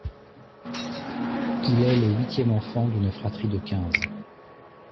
Il est le huitième enfant d'une fratrie de quinze.